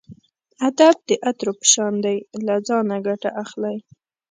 ادب د عطرو په شان دی له ځانه ګټه اخلئ.